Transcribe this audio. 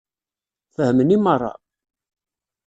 Fehmen i meṛṛa?